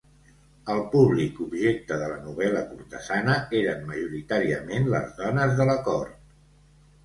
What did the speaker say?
El públic objecte de la novel·la cortesana eren majoritàriament les dones de la cort.